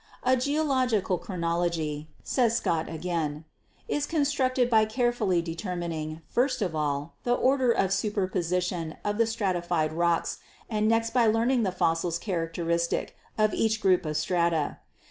"A geological chronology," says Scott again, "is con structed by carefully determining, first of all, the order of superposition of the stratified rocks and next by learning the fossils characteristic of each group of strata.